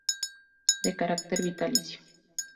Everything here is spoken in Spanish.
De carácter vitalicio.